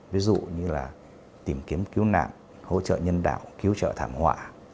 ví dụ như là tìm kiếm cứu nạn hỗ trợ nhân đạo cứu trợ thảm họa